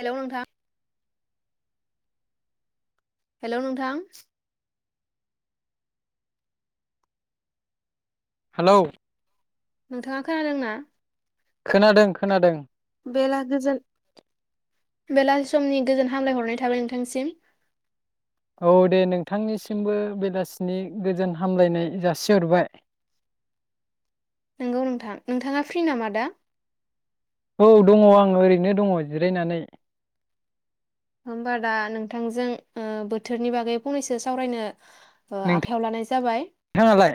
हेल' नोंथां। हेल' नोंथां। हेलौ। नोंथाङा खोनादोंना? खोनादों खोनादों। बेला गोजोन, बेलासे समनि गोजोन हामलायहरनाय थाबाय नोंथांसिम। औ दे नोंथांनिसिमबो बेलासिनि गोजोन हामलायनाय जासिहरबाय। नोंगौ नोंथां नोंथाङा फ्रि नामा दा? औ दङ आं ओरैनो दङ जिरायनानै। होमबा दा नोंथांजों ओ बोथोरनि बागै फंनैसो सावरायनो ओ आखाइयाव लानाय जाबाय। नोंथाङालाय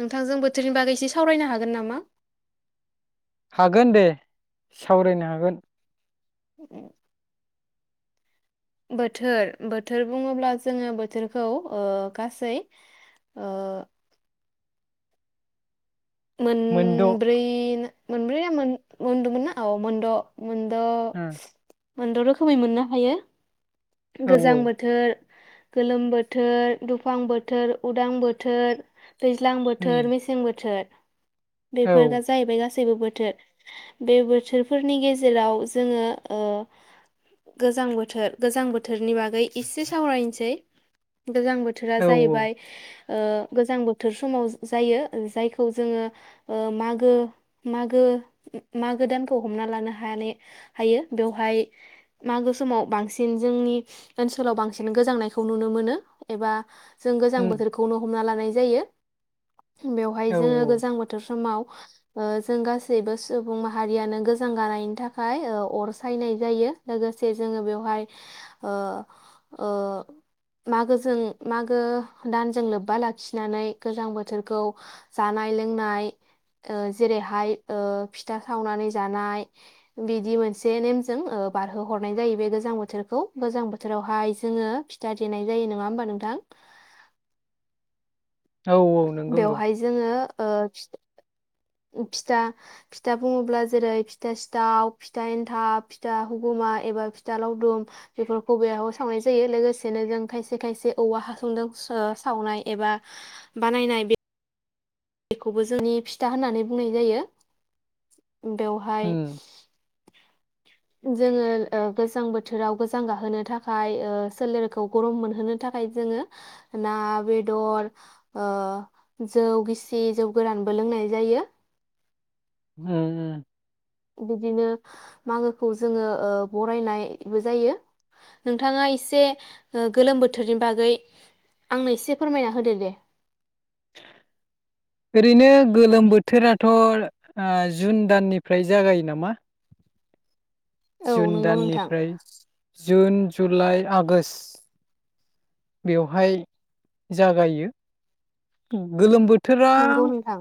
नोंथांजों बोथोरनि बागै इसे सावरायनो हागोन नामा? हागोन दे सावरायनो हागोन। ??? बोथोर बोथोर बुङोब्ला जोङो बोथोरखौ ओ गासै ओ मोनद' ओ मोनब्रै नो मोनब्रै ना मोन, मोन्द' मोनना? औ मोनद' मोनद' मोनद' रोखोमै मोननो हायो। औ गोजां बोथोर गोलोम बोथोर, दुफां बोथोर, उदां बोथोर दैज्लां उम बोथोर, मेसें बोथोर। औ बेफोर जाहैबाय गासै बो बोथोर बे बोथोरफोरनि गेजेराव जोङो ओ गोजां बोथोर गोजां बो थोरनि बागै एसे सावरायनोसै। गोजां बोथोरा औ जाहैबाय ओ गोजां बोथोर समाव जायो जायखौ जोङो ओ मागो मागो मागो दानखौ हमना लानो हानाय हायो बेवहाय मागो समाव बांसिन जोंनि ओनसोलाव बांसिन गोजांनायखौ नुनो मोनो एबा जों गोजां उम बोथोरखौनो हम ना लानाय जायो। बेवहाय औ जोङो गोजां बोथोर समाव ओ जों गासैबो सुबुं माहारियानो गोजां गानायनि थाखाय ओ अर सायनाय जायो लोगोसे जोङो बेवहाय ओ ओ‌ मागोजों मागो दानजों लोब्बा लाखिनानै गोजां बोथोरखौ जानाय लोंनाय ओ जेरैहाय ओ फिथा सावनानै जानाय बिदि मोनसे नेमजों ओ बारहोहरनाय जायो बे गोजां बोथोरखौ। गोजां बोथोरावहाय जोङो फिथा देनाय जायो नङा होमबा नोंथां? औ औ नोंगौ नोंगौ। बेवहाय जोङो ओ फि फिथा, फिथा बुङोब्ला जेरै फिथा सिथाव, फिथा एन्थाब, फिथा हुगुमा एबा फिथा लावदुम बेफोरखौ बेयाव सावनाय जायो लोगोसेनो जों खायसे खायसे औवा हासंदों सा सावनाय एबा बानायनाय बे बेखौबो जोंनि फिथा होननानै बुंनाय जायो। बेवहाय उम जोङो ओ गोजां बोथोराव गोजां गाहोनो थाखाय ओ सोलेरखौ गरम मोनहोनो थाखाय जोङो ना बेदर ओ जौ गिसि जौ गोरानबो लोंनाय जायो उम उम बिदिनो मागोखौ जोङो ओ बरायनायबो जायो नोंथाङा एसे ओ गोलोम बोथोरनि बागै आंनो एसे फोरमायना होदो दे ओरैनो गोलोम बोथोराथ' ओ जुन दाननिफ्राय जागायो नामा औ जुन नंगौ नोंथां दाननिफ्राय जुन जुलाइ आगष्ट बेवहाय जागायो गोलोम बो नोंगौ नोंथां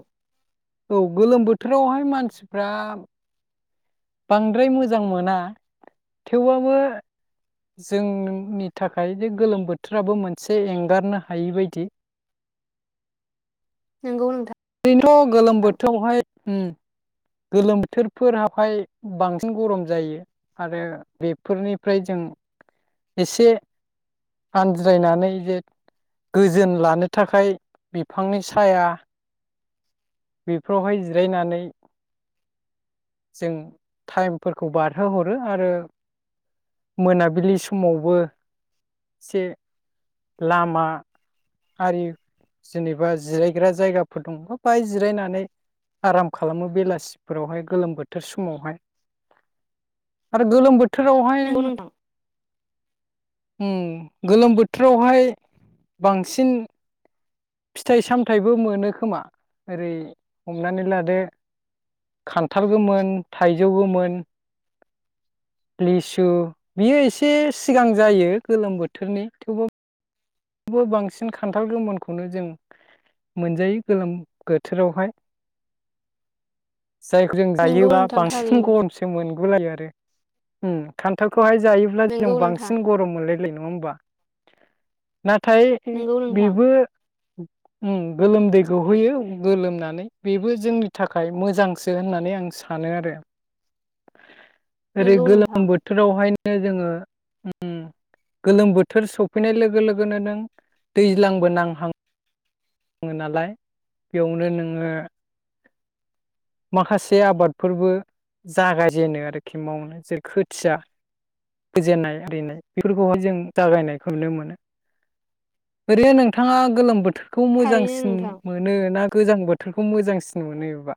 औ गोलोम बोथोरावहाय मानसिफ्रा बांद्राय मोजां मोना थेवब्लाबो जोंनि थाखाय जे गोलोम बोथोराबो मोनसे एंगारनो हायि बायदि नोंगौ नोंथां ओरैनोथ' गोलोम बोथोरावहाय उम गोलोम बोथोरफोरावहाय बांसिन गरम जायो आरो बेफोरनिफ्राय जों एसे आनज्रायनानै जे गोजोन लानो थाखाय बिफांनि साया बेफोरावहाय जिरायनानै जों टाइमफोरखौ बारहोहरो आरो मोनाबिलि समावबो एसे लामा आरि जेनेबा जिरायग्रा जायगाफोर दङबा बाहाय जिरायनानै आराम खालामो बेलासिफोरावहाय गोलोम बोथोर समावहाय आरो गोलोम बोथोर बोथोराव हाय नंगौ नोंथां ए गोलोम बोथोरावहाय बांसिन फिथाइ सामथाइबो मोनो खोमा ओरै हमनानै लादो खान्थाल गोमोन थाइजौ गोमोन लिसु बियो एसे सिगां जायो गोलोम बोथोरनि थेवबो बो बांसिन खान्थाल गोमोनखौनो जों मोनजायो गोलोम बोथोरावहाय जायखौ जों नंगौ जायोबा नोंथां बांसिन थारैनो गरमसो मोनगुलायो आरो उम खान्थाल खौहाय जायोब्ला जों नंगौ नोंथां बांसिन गरम मोनलायलायो होमबा नाथाय नंगौ नोंथां बेबो उम गोलोमदै गहोयो गोलोमनानै बेबो जोंनि थाखाय मोजांसो होननानै आं सानो आरो ओरै नंगौ नोंथां गोलोम बोथोरावहाय नै जोङो उम गोलोम बोथोर सफैनाय लोगो लोगो [unintelligible] नों दैज्लांबो नांहां ङो नालाय बेयावनो नोङो माखासे आबादफोरबो जागायजेनो आरोखि मावनो जेरै खोथिया गोजोननाय आरिनाय बेफोरखौहाय जों जागायनायखौ नुनो मोनो ओरैनो नोंथाङा गोलोम बोथ खौ थारैनो मोजांसिन नोंथां मोनो ना गोजां बोथोरखौ मोजांसिन मोनो बा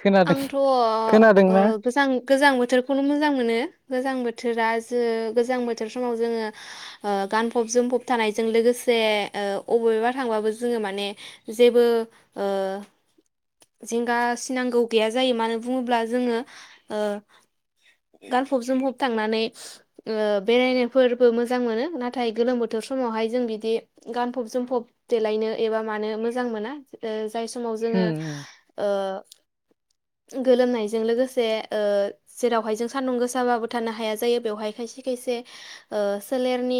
खोनादों आंथ' ओ खोनादोंना गोजां गोजां बोथोरखौनो मोजां मोनो गोजां बोथोरा ओ गोजां बोथोर समाव जोङो गानफब जोमफब थानायजों लोगोसे ओ अबेबा थांबाबो जोङो माने जेबो ओ जिंगा सिनांगौ गैया जायो मानो बुङोब्ला जोङो ओ गानफब जोमफब थांनानै ओ बेरायनोफोरबो मोजां मोनो नाथाय गोलोम बोथोर समावहाय जों बिदि गानफब जोमफब देलायनो एबा मानो मोजां मोना ओ जाय समाव जोङो उम उम ओ गोलोमनायजों लोगोसे ओ जेरावहाय जों सान्दुं गोसाबाबो थानो हाया जायो बेवहाय खायसे खायसे ओ सोलेरनि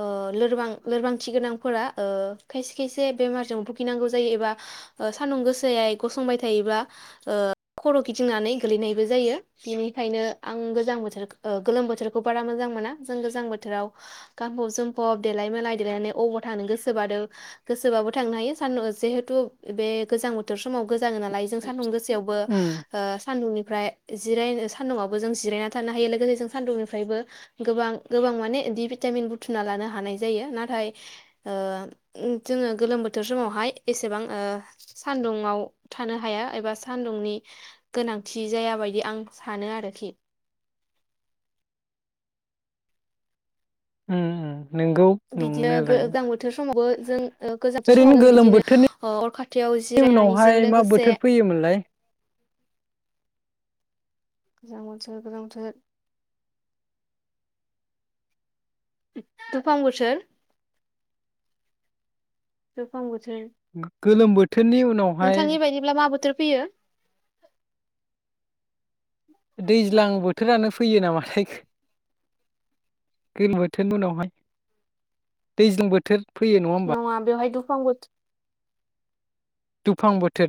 ओ लोरबां लोरबांथि गोनांफोरा ओ खायसे खायसे बेमारजों भुगिनांगौ जायो एबा ओ सान्दुं गोसायै गसंबाय थायोब्ला ओ खर' गिदिंनानै गोलैनायबो जायो बेनिखायनो आं गोजां बोथोर गोलोम बोथोरखौ बारा मोजां मोना जों गोजां बोथोराव गानफब जोमफब देलाय मेलाय देलायनानै अबाव थानो गोसोब गोसोबाबो थांनो हायो सान जिहेथु बे गोजां बोथोर समाव जागोन नालाय जों सान्दुं गोसा यावबो उम सान्दुंनिफ्राय जिरायनो सान्दुुङावबो जों जिरायना थानो हायो लोगोसे जों सान्दुंनिफ्रायबो गोबां गोबां माने दि भिटामिन बुथुना लानो हानाय जायो नाथाय ओ जोङो गोलोम बोथोर समावहाय एसेबां ओ सान्दुुङाव थानो हाया एबा सान्दुंनि गोनांथि जाया बायदि आं सानो आरोखि। ओम ओम। बिदिनो गोजां बोथोर समावबो जों गोजाङो ओरैनो समाव जों गोलोम बिदिनो बोथोरनि अर खाथियाव जिरायनानै उनावहाय जों मा लोगोसे बोथोर फैयोमोनलाय गोजां बोथोर गोजां बोथोर दुफां बोथोर दुफां बो गोलोम बोथोरनि उनावहाय नोंथांनि बायदिब्ला मा बोथोर फैयो? दैज्लां बोथोरानो फैयो नामाथाय, गोलोम बोथोरनि उनावहाय दैज्लां बोथोर फैयो होमबा नङा बेवहाय दुफां बोथोर दुफां बोथोर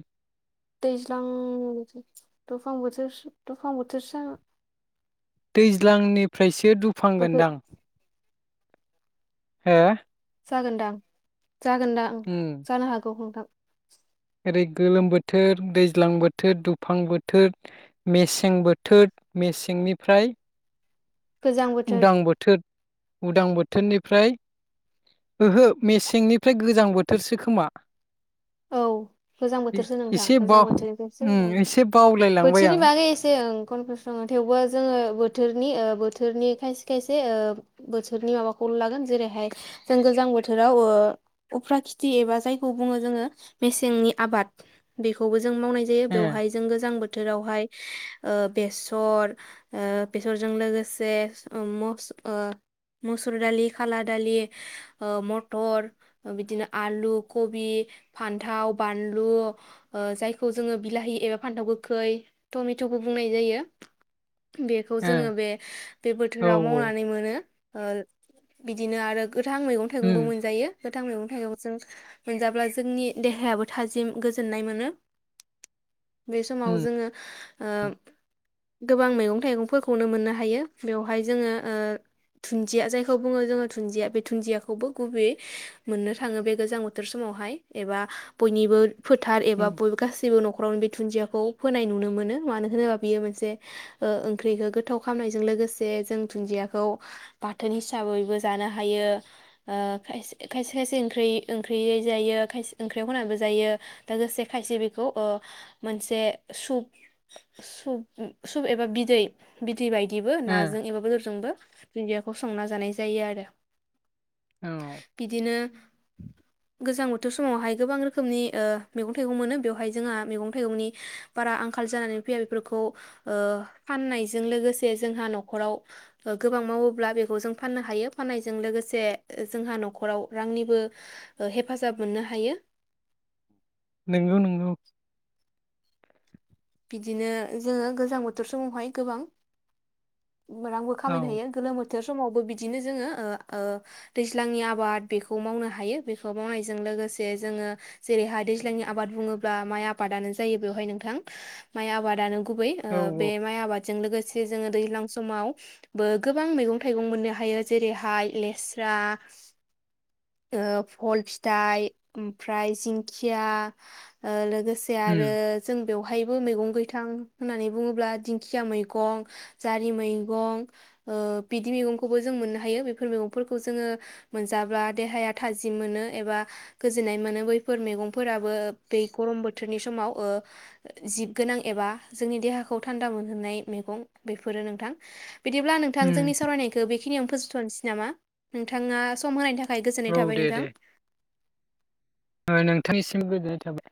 दैज्लां दुफां बोथोर स दुफां बोथोरसो दैज्लांनिफ्रायसो दुफां बोथोर गोनदां? हो? जागोनदां जागोनदां उम जानो हागौ नोंथां। [inaudible] ओरै गोलोम बोथोर, दैज्लां बोथोर, दुफां बोथोर, मेसें बोथोर, मेसेंनिफ्राय गोजां बोथोर उदां बोथोर, उदां बो थोरनिफ्राय, ओहो मेसेंनिफ्राय गोजां बोथोरसो खोमा। औ। गोजां बोथोरसो नोंथां। एसे गोजां बाव बोथोरनिफ्रायसो गोजां उम बोथोर एसे बावलायलांबाय बोथोरनि आं बागै एसे ओं [unintelligible] थेवबो जोङो बोथोरनि ओ बोथोरनि खायसे खायसे ओ बोथोरनि माबाखौ लागोन जेरैहाय जों गोजां बोथोराव ओ उफ्रा खेथि एबा जायखौ बुङो जोङो मेसेंनि आबाद बेखौबो जों मावनाय जायो, बेवहाय जों गोजां बो बोथोरावहाय ओ बेसर ओ बेसरजों लोगोसे मुस मुसुर दालि खाला दालि ओ मथर बिदिनो आलु कबि फान्थाव, बानलु ओ जायखौ जोङो बिलाहि एबा फान्थाव गोखै टमेट'बो बुंनाय जायो। बेखौ जोङो बे बे ओ बोथोराव ओ औ मावनानै मोनो। ओ बिदिनो आरो गोथां मैगं औ थाइगंबो उम मोनजायो। गोथां मैगं थाइगं जों मोनजाब्ला जोंनि देहायाबो थाजिम गोजोननाय मोनो। बे समाव उम जोङो ओ गोबां मैगं थाइगंफोरखौनो मोननो हाय। बेवहाय जोङो ओ धुन्दिया जायखौ बुङो जोङो धुन्दिया बे धुन्दियाखौबो गुबैयै मोननो थाङो बे गोजां बोथोर समावहाय। एबा बयनिबो फोथार एबा उम बयबो गासिबो न'ख न'खरावनो बे धुन्दियाखौ फोनाय नुनो मोनो मानो होनोबा बियो मोनसे ओ ओंख्रिखौ गोथाव खामनायजों लोगोसे जों धुन्दियाखौ बाथोन हिसाबैबो जानो हायो ओ खायसे खायसे खायसे ओंख्रि ओंख्रै जायो। खायसे ओंख्रियाव होनाबो जायो लोगोसे खायसे बेखौ ओ मोनसे सुप सुप सुप एबा बिदै दि बायदिबो ओ नाजों एबा बेदरजोंबो दुन्दियाखौ संना जानाय जायो आरो। औ बिदिनो गोजां बो थोर समावहाय गोबां रोखोमनि ओ मैंगं थाइगं मोनो। बेवहाय जोंहा मैगं थाइगंनि बारा आंखाल जानानै फैया बेफोरखौ ओ फाननायजों लोगोसे जोंहा न'खराव ओ गोबां मावोब्ला बेखौ जों फाननो हायो। फाननायजों लोगोसे जोंहा न'खराव रांनिबो ओ हेफाजाब जाब मोननो हायो। नोंगौ नोंगौ। बिदिनो जोङो गोजां बोथोर समावहाय गोबां रांबो औ खामायनो हायो। गोलोम बोथोर समावबो बिद दिनो जोङो ओ ओ दैज्लांनि आबाद बेखौ मावनो हायो। बेखौ मावनायजों लोगोसे जोङो जेरैहाय दैज्लांनि आबाद बुङोब्ला माइ आबादानो जायो बेवहाय नोंथां। माइ आबादानो गुबै ओ औ बे माइ आबाद जों लोगोसे जोङो दैज्लां समाव बो गोबां मैगं थाइगं मोननो हायो जेरैहाय लेस्रा ओ फल फिथाइ ओमफ्राय जिंखिया ओ लोगो से उम आरो जों बेयावहायबो मैगं गैथां होननानै बुङोब्ला दिंखिया मैगं, जारि मैगं ओ बिदि मैगंखौबो जों मोननो हायो बेफोर मैगंफोरखौ जोङो मोनजाब्ला देहाया थाजिम मोनो एबा गोजोननाय मोनो बैफोर मैगंफोराबो बै गरम बोथोरनि समाव ओ जिब गोनां एबा जोंनि देहाखौ थान्दा मोनहोनाय मैगं बेफोरो नोंथां। बिदिब्ला नोंथां उम जोंनि सावरायनायखौ बेखिनियावनो फोजोबथ' थ'निसै नामा? नोंथाङा सम होनायनि थाख खाय गोजोननाय औ थाबाय दे नोंथां। दे ओ नोंथांनिसिम गोजोननाय थाबाय।